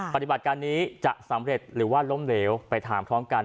ปฏิบัติการนี้จะสำเร็จหรือว่าล้มเหลวไปถามพร้อมกัน